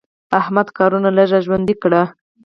احمده کارونه لږ را ژوندي کړه.